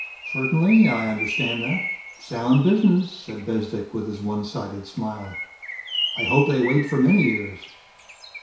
"Certainly I understand that sound business," said Bezdek with his one sided smile. "I hope they wait for many years."